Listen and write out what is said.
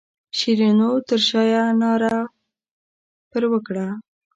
شیرینو تر شایه ناره پر وکړه.